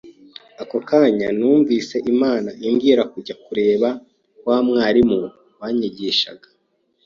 Ako kanya numvise Imana imbwira kujya kureba wa mwalimu wanyigishaga